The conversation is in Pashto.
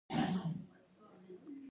زه جام شوی وم او داسې حرکات مې کول لکه هېڅ